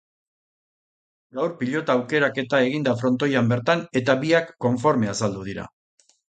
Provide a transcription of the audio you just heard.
Gaur, pilota aukeraketa egin da frontoian bertan eta biak konforme azaldu dira.